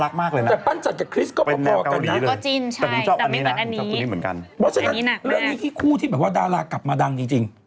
แล้วอันนี้ที่คู่ที่บอกว่าดารากกลับมาดังจริง